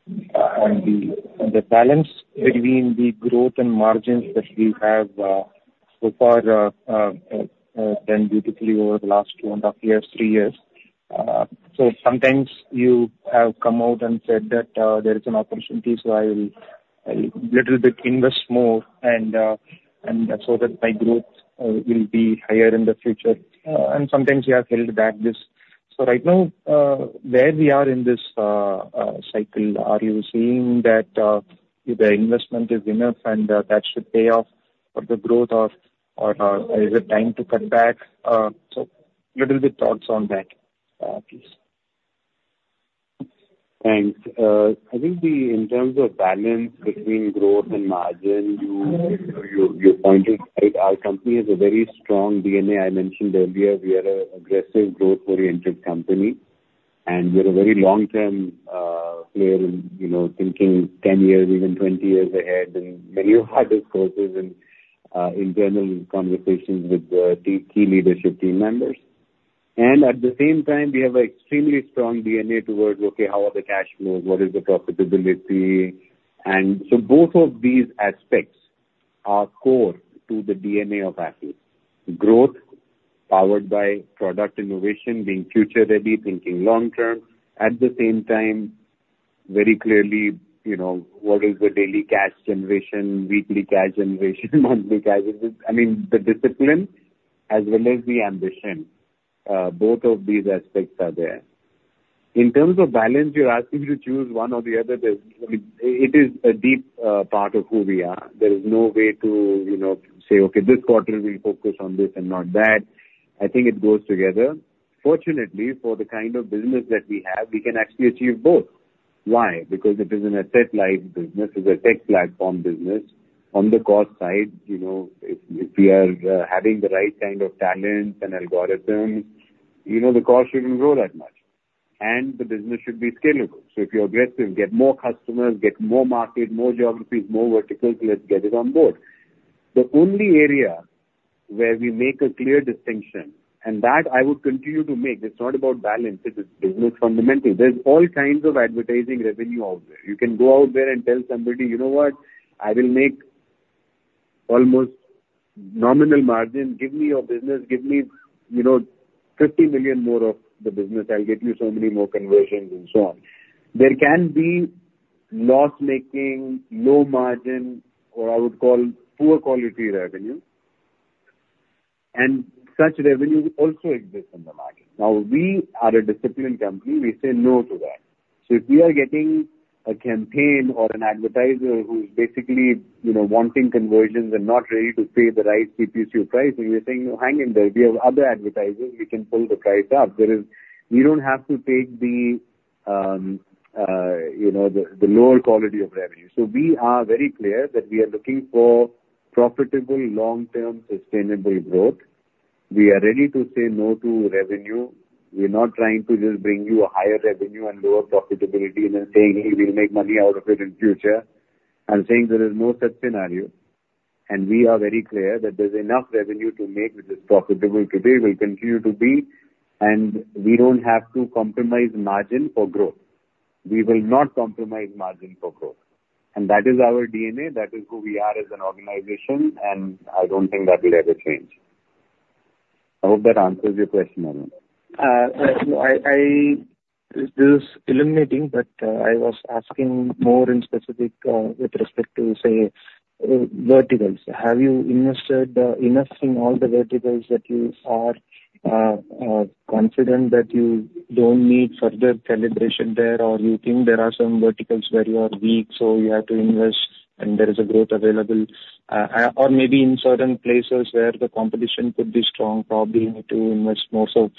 the balance between the growth and margins that we have so far done beautifully over the last two and a half years, three years. So sometimes you have come out and said that there is an opportunity, so I will a little bit invest more and so that my growth will be higher in the future. And sometimes you have held back this. So right now, where we are in this cycle, are you seeing that the investment is enough and that should pay off for the growth, or is it time to cut back? So a little bit of thoughts on that, please. Thanks. I think in terms of balance between growth and margin, you pointed out our company has a very strong DNA. I mentioned earlier we are an aggressive growth-oriented company, and we are a very long-term player in thinking 10 years, even 20 years ahead, and many of our discourses and internal conversations with key leadership team members, and at the same time, we have an extremely strong DNA towards, "Okay, how are the cash flows? What is the profitability?", and so both of these aspects are core to the DNA of Affle: growth powered by product innovation, being future-ready, thinking long-term. At the same time, very clearly, what is the daily cash generation, weekly cash generation, monthly cash? I mean, the discipline as well as the ambition. Both of these aspects are there. In terms of balance, you're asking me to choose one or the other. It is a deep part of who we are. There is no way to say, "Okay, this quarter we focus on this and not that." I think it goes together. Fortunately, for the kind of business that we have, we can actually achieve both. Why? Because it is an asset-like business. It's a tech platform business. On the cost side, if we are having the right kind of talents and algorithms, the cost shouldn't grow that much. And the business should be scalable. So if you're aggressive, get more customers, get more market, more geographies, more verticals, let's get it on board. The only area where we make a clear distinction, and that I would continue to make, it's not about balance. It is business fundamental. There's all kinds of advertising revenue out there. You can go out there and tell somebody, "You know what? I will make almost nominal margin. Give me your business. Give me 50 million more of the business. I'll get you so many more conversions and so on." There can be loss-making, low margin, or I would call poor quality revenue, and such revenue also exists in the market. Now, we are a disciplined company. We say no to that, so if we are getting a campaign or an advertiser who's basically wanting conversions and not ready to pay the right CPCU price, then we're saying, "Hang in there. We have other advertisers. We can pull the price up." We don't have to take the lower quality of revenue, so we are very clear that we are looking for profitable, long-term, sustainable growth. We are ready to say no to revenue. We're not trying to just bring you a higher revenue and lower profitability and then saying, "Hey, we'll make money out of it in the future." I'm saying there is no such scenario. And we are very clear that there's enough revenue to make that is profitable today, will continue to be, and we don't have to compromise margin for growth. We will not compromise margin for growth. And that is our DNA. That is who we are as an organization, and I don't think that will ever change. I hope that answers your question, Anuj. This is illuminating, but I was asking more in specific with respect to, say, verticals. Have you invested enough in all the verticals that you are confident that you don't need further calibration there, or you think there are some verticals where you are weak, so you have to invest and there is a growth available, or maybe in certain places where the competition could be strong, probably need to invest more? So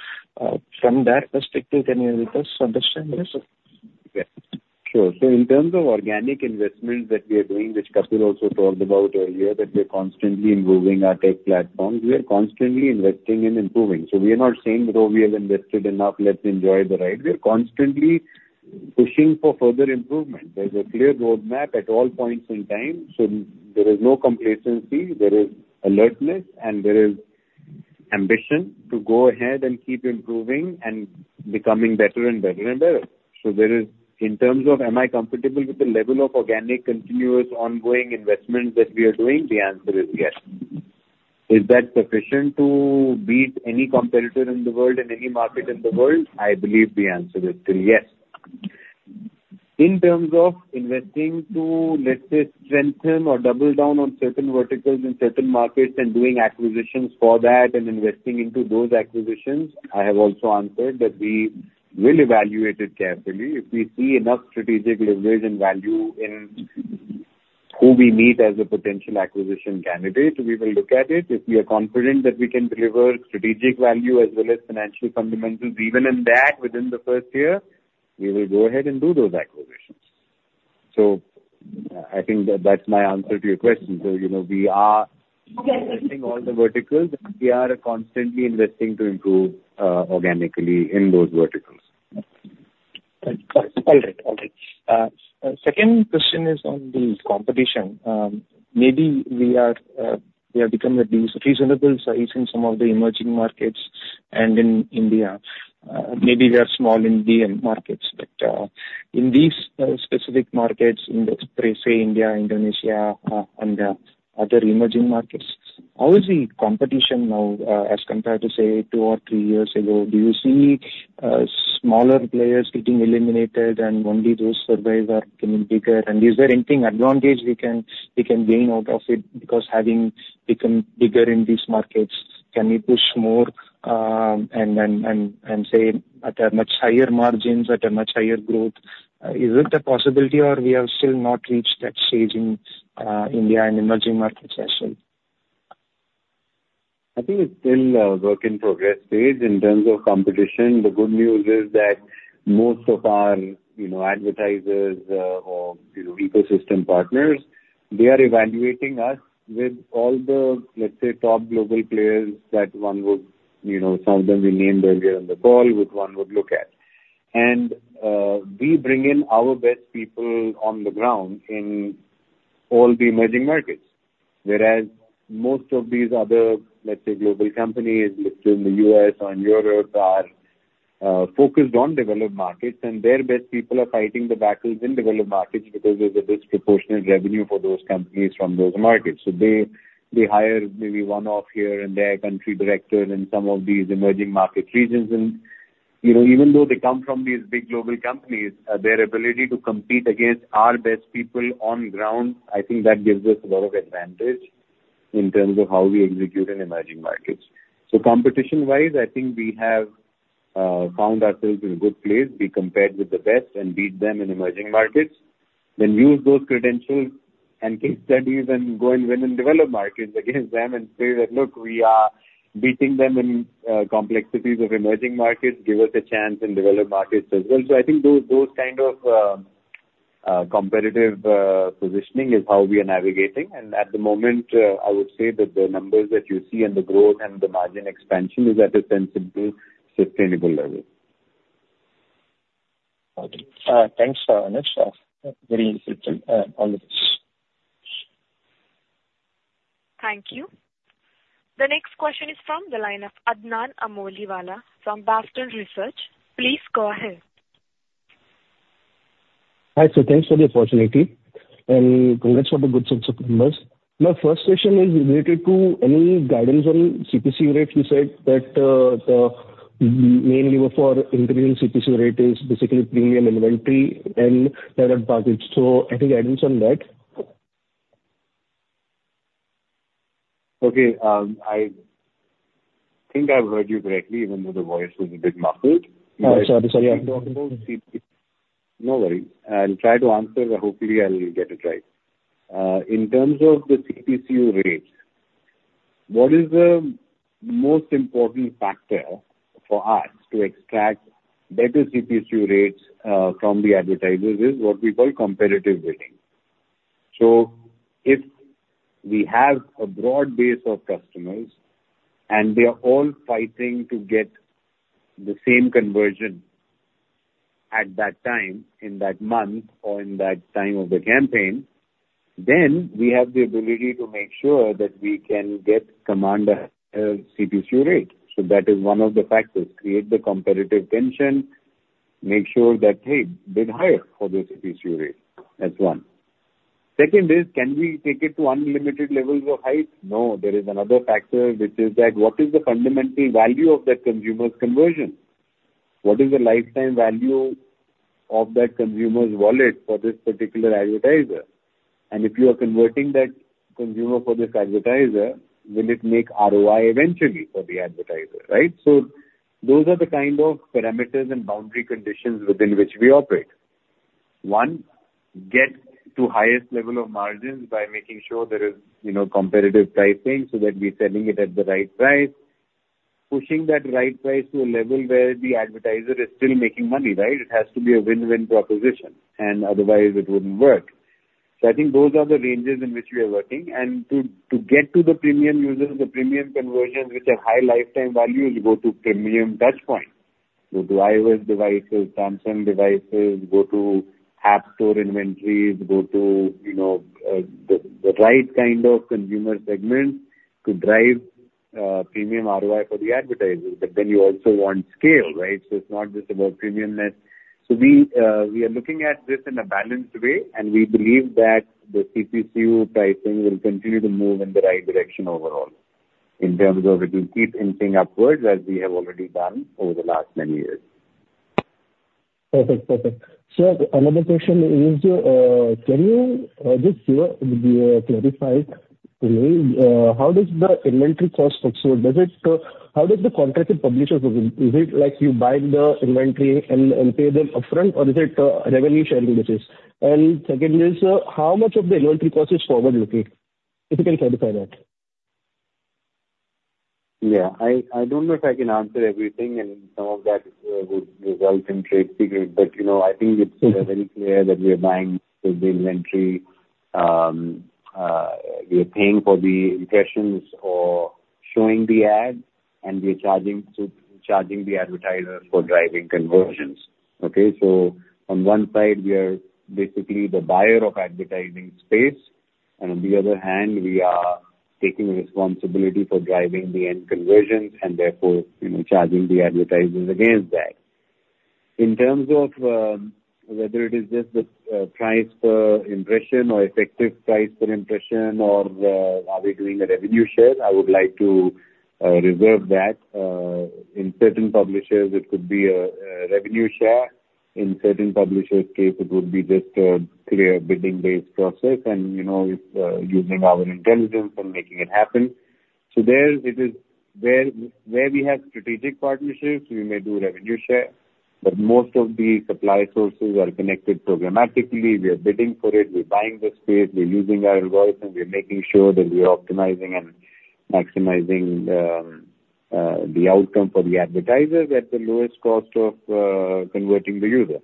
from that perspective, can you help us understand this? Sure. So in terms of organic investments that we are doing, which Kapil also talked about earlier, that we are constantly improving our tech platforms, we are constantly investing and improving. So we are not saying, "Though we have invested enough, let's enjoy the ride." We are constantly pushing for further improvement. There's a clear roadmap at all points in time. So there is no complacency. There is alertness, and there is ambition to go ahead and keep improving and becoming better and better and better. So in terms of, "Am I comfortable with the level of organic continuous ongoing investments that we are doing?" The answer is yes. Is that sufficient to beat any competitor in the world in any market in the world? I believe the answer is still yes. In terms of investing to, let's say, strengthen or double down on certain verticals in certain markets and doing acquisitions for that and investing into those acquisitions, I have also answered that we will evaluate it carefully. If we see enough strategic leverage and value in who we meet as a potential acquisition candidate, we will look at it. If we are confident that we can deliver strategic value as well as financial fundamentals, even in that, within the first year, we will go ahead and do those acquisitions. So I think that's my answer to your question. So we are investing all the verticals, and we are constantly investing to improve organically in those verticals. All right. All right. Second question is on the competition. Maybe we have become at least reasonable sizes in some of the emerging markets and in India. Maybe they are small in the markets. But in these specific markets, India, say, India, Indonesia, and other emerging markets, how is the competition now as compared to, say, two or three years ago? Do you see smaller players getting eliminated and only those survive or becoming bigger? And is there anything advantage we can gain out of it? Because having become bigger in these markets, can we push more and say at a much higher margins, at a much higher growth? Is it a possibility, or we have still not reached that stage in India and emerging markets as well? I think it's still a work in progress stage in terms of competition. The good news is that most of our advertisers or ecosystem partners, they are evaluating us with all the, let's say, top global players that one would, some of them we named earlier in the call, which one would look at. And we bring in our best people on the ground in all the emerging markets. Whereas most of these other, let's say, global companies listed in the U.S. or in Europe are focused on developed markets, and their best people are fighting the battles in developed markets because there's a disproportionate revenue for those companies from those markets. So they hire maybe one-off here and there country directors in some of these emerging market regions. And even though they come from these big global companies, their ability to compete against our best people on ground, I think that gives us a lot of advantage in terms of how we execute in emerging markets. So competition-wise, I think we have found ourselves in a good place. We compared with the best and beat them in emerging markets. Then use those credentials and case studies and go and win in developed markets against them and say that, "Look, we are beating them in complexities of emerging markets. Give us a chance in developed markets as well." So I think those kind of competitive positioning is how we are navigating. And at the moment, I would say that the numbers that you see and the growth and the margin expansion is at a sensible, sustainable level. Thanks, Anuj. Very interesting on this. Thank you. The next question is from the line of Adnan Amboli from B&K Securities. Please go ahead. Hi. So thanks for the opportunity. And congrats for the good sets of numbers. My first question is related to any guidance on CPCU rate. You said that the main lever for increasing CPCU rate is basically premium inventory and direct package. So any guidance on that? Okay. I think I've heard you correctly, even though the voice was a bit muffled. Sorry, sorry. No worries. I'll try to answer, but hopefully I'll get it right. In terms of the CPCU rate, what is the most important factor for us to extract better CPCU rates from the advertisers is what we call competitive bidding. So if we have a broad base of customers and they are all fighting to get the same conversion at that time, in that month or in that time of the campaign, then we have the ability to make sure that we can get command a CPCU rate. So that is one of the factors. Create the competitive tension, make sure that they bid higher for the CPCU rate. That's one. Second is, can we take it to unlimited levels of height? No, there is another factor, which is that what is the fundamental value of that consumer's conversion? What is the lifetime value of that consumer's wallet for this particular advertiser? And if you are converting that consumer for this advertiser, will it make ROI eventually for the advertiser? Right? So those are the kind of parameters and boundary conditions within which we operate. One, get to highest level of margins by making sure there is competitive pricing so that we're selling it at the right price, pushing that right price to a level where the advertiser is still making money. Right? It has to be a win-win proposition, and otherwise it wouldn't work. So I think those are the ranges in which we are working. And to get to the premium users, the premium conversions, which have high lifetime values, go to premium touchpoints. Go to iOS devices, Samsung devices, go to App Store inventories, go to the right kind of consumer segment to drive premium ROI for the advertisers. But then you also want scale. Right? So it's not just about premiumness. So we are looking at this in a balanced way, and we believe that the CPCU pricing will continue to move in the right direction overall in terms of it will keep inching upwards as we have already done over the last many years. Perfect. Perfect. Sir, another question is, can you just clarify for me, how does the inventory cost look? So how does the contracted publishers look? Is it like you buy the inventory and pay them upfront, or is it revenue-sharing basis? And second is, how much of the inventory cost is forward-looking? If you can clarify that. Yeah. I don't know if I can answer everything, and some of that would result in trade secret. But I think it's very clear that we are buying the inventory. We are paying for the impressions or showing the ad, and we are charging the advertisers for driving conversions. Okay? So on one side, we are basically the buyer of advertising space, and on the other hand, we are taking responsibility for driving the end conversions and therefore charging the advertisers against that. In terms of whether it is just the price per impression or effective price per impression, or are we doing a revenue share, I would like to reserve that. In certain publishers, it could be a revenue share. In certain publishers' case, it would be just a clear bidding-based process and using our intelligence and making it happen. So where we have strategic partnerships, we may do revenue share, but most of the supply sources are connected programmatically. We are bidding for it. We're buying the space. We're using our voice, and we're making sure that we are optimizing and maximizing the outcome for the advertisers at the lowest cost of converting the user.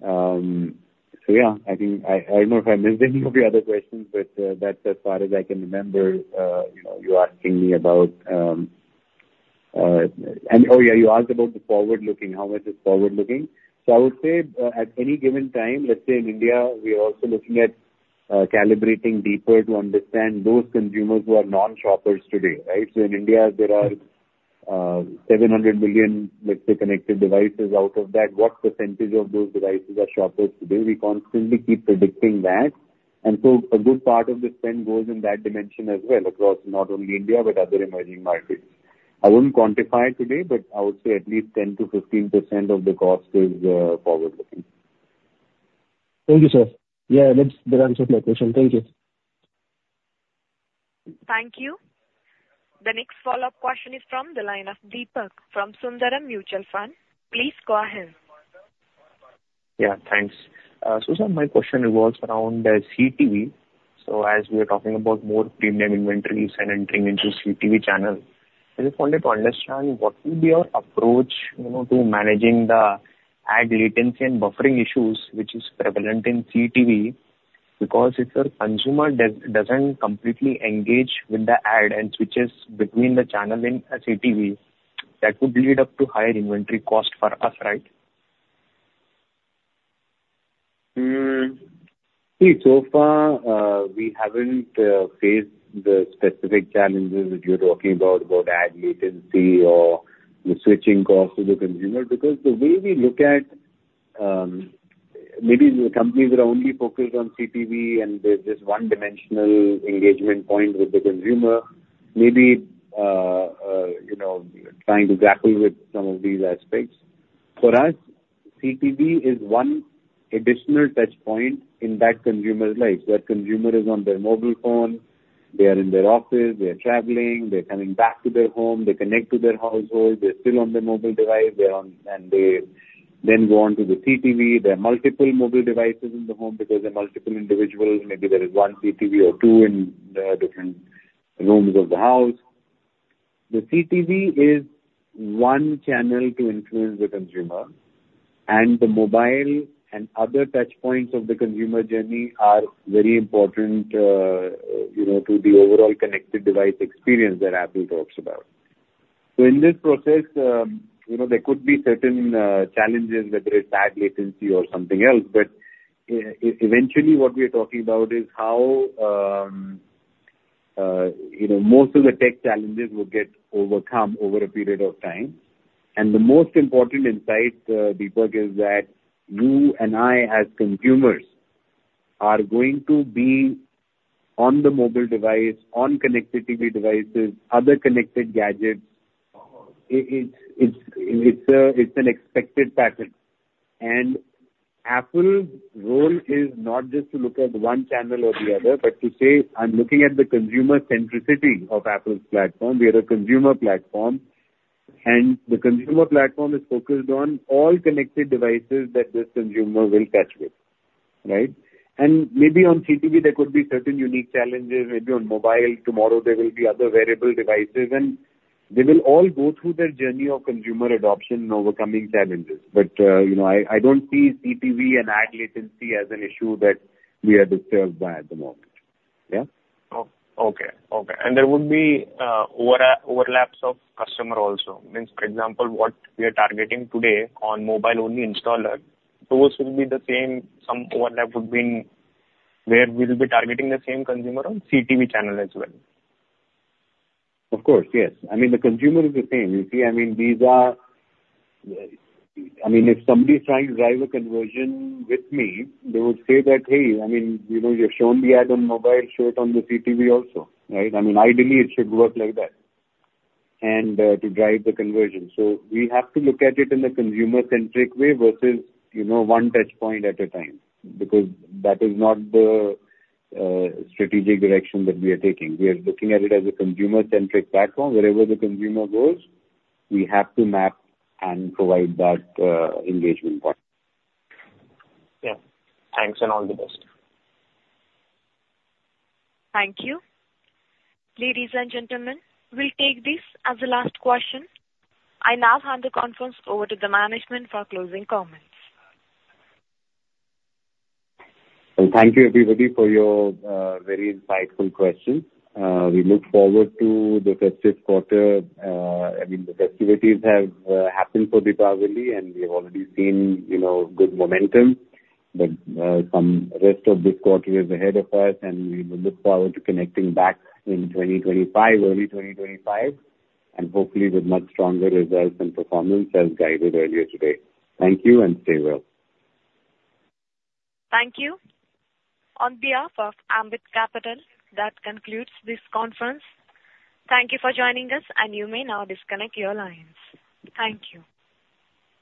So yeah, I don't know if I missed any of your other questions, but that's as far as I can remember. You're asking me about, oh yeah, you asked about the forward-looking. How much is forward-looking? So I would say at any given time, let's say in India, we are also looking at calibrating deeper to understand those consumers who are non-shoppers today. Right? So in India, there are 700 million, let's say, connected devices. Out of that, what percentage of those devices are shoppers today? We constantly keep predicting that. And so a good part of the spend goes in that dimension as well, across not only India but other emerging markets. I wouldn't quantify it today, but I would say at least 10%-15% of the cost is forward-looking. Thank you, sir. Yeah, that answered my question. Thank you. Thank you. The next follow-up question is from the line of Deepak Rothe from Sundaram Mutual Fund. Please go ahead. Yeah, thanks. So sir, my question revolves around CTV. So as we are talking about more premium inventories and entering into CTV channels, I just wanted to understand what would be your approach to managing the ad latency and buffering issues, which is prevalent in CTV? Because if a consumer doesn't completely engage with the ad and switches between the channel in CTV, that would lead up to higher inventory cost for us. Right? See, so far, we haven't faced the specific challenges that you're talking about, about ad latency or the switching costs of the consumer. Because the way we look at maybe the companies that are only focused on CTV and there's this one-dimensional engagement point with the consumer, maybe trying to grapple with some of these aspects. For us, CTV is one additional touchpoint in that consumer's life. That consumer is on their mobile phone. They are in their office. They are traveling. They're coming back to their home. They connect to their household. They're still on their mobile device, and they then go on to the CTV. There are multiple mobile devices in the home because there are multiple individuals. Maybe there is one CTV or two in different rooms of the house. The CTV is one channel to influence the consumer, and the mobile and other touchpoints of the consumer journey are very important to the overall connected device experience that Affle talks about. So in this process, there could be certain challenges, whether it's ad latency or something else. But eventually, what we are talking about is how most of the tech challenges will get overcome over a period of time. And the most important insight, Deepak, is that you and I, as consumers, are going to be on the mobile device, on connected TV devices, other connected gadgets. It's an expected pattern. And Affle's role is not just to look at one channel or the other, but to say, "I'm looking at the consumer centricity of Affle's platform. We are a consumer platform, and the consumer platform is focused on all connected devices that this consumer will touch with. Right? And maybe on CTV, there could be certain unique challenges. Maybe on mobile, tomorrow, there will be other wearable devices, and they will all go through their journey of consumer adoption and overcoming challenges. But I don't see CTV and ad latency as an issue that we are disturbed by at the moment. Yeah? And there would be overlaps of customer also. For example, what we are targeting today on mobile-only installer, those will be the same. Some overlap would be where we will be targeting the same consumer on CTV channel as well. Of course. Yes. I mean, the consumer is the same. You see, I mean, these are. I mean, if somebody's trying to drive a conversion with me, they would say that, "Hey, I mean, you've shown the ad on mobile. Show it on the CTV also." Right? I mean, ideally, it should work like that and to drive the conversion. So we have to look at it in a consumer-centric way versus one touchpoint at a time because that is not the strategic direction that we are taking. We are looking at it as a consumer-centric platform. Wherever the consumer goes, we have to map and provide that engagement point. Yeah. Thanks, and all the best. Thank you. Ladies and gentlemen, we'll take this as the last question. I now hand the conference over to the management for closing comments. Thank you, everybody, for your very insightful questions. We look forward to the festive quarter. I mean, the festivities have happened for Q3, and we have already seen good momentum. But the rest of this quarter is ahead of us, and we will look forward to connecting back in 2025, early 2025, and hopefully with much stronger results and performance as guided earlier today. Thank you and stay well. Thank you. On behalf of Ambit Capital, that concludes this conference. Thank you for joining us, and you may now disconnect your lines. Thank you.